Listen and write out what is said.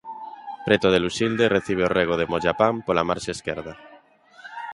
Preto de Luxilde recibe o rego de Mollapán pola marxe esquerda.